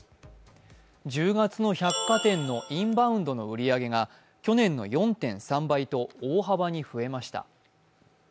１０月の百貨店のインバウンドの売り上げが去年の４．３倍と大幅に増えました。